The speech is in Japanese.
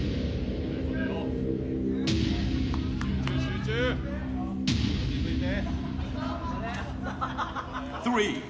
集中集中、落ち着いて。